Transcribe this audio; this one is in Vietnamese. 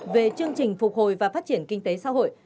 về chương trình phục hồi và phát triển kinh tế xã hội